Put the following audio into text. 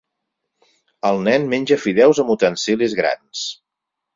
Un nen menja fideus amb utensilis grans.